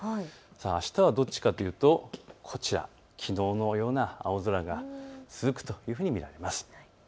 あしたはどっちかというとこちら、きのうのような青空が続くというふうに見られます。